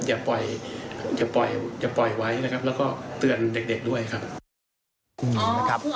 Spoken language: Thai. อย่าปล่อยไว้นะครับแล้วก็เตือนเด็กด้วยนะครับ